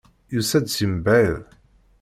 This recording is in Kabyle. Yusa-d seg mebɛid.